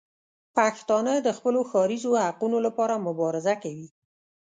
پښتانه د خپلو ښاریزو حقونو لپاره مبارزه کوي.